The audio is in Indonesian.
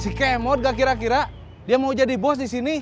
si kemot gak kira kira dia mau jadi bos di sini